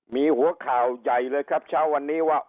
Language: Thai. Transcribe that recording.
มีหัวข่าวใหญ่เลยครับเช้าวันนี้ว่า